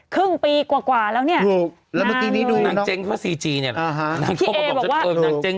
คืองปีกว่ากว่าแล้วลงทุนแบบเต็มที่มากจริง